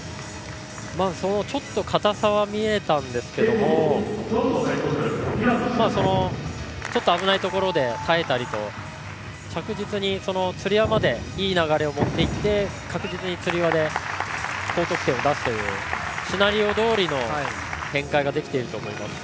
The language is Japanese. ちょっと硬さは見えたんですけどもちょっと危ないところで耐えたりと着実に、つり輪までいい流れを持っていって確実につり輪で高得点を出すというシナリオどおりの展開ができていると思います。